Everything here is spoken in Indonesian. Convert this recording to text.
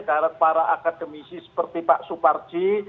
karena para akademisi seperti pak suparji